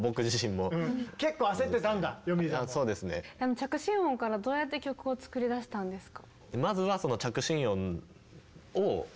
着信音からどうやって曲を作り出したんですか？